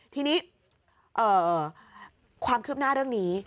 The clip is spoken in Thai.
ทีนี้ความคืบหน้าเรื่องนี้